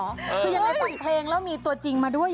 คือยังไงแต่งเพลงแล้วมีตัวจริงมาด้วย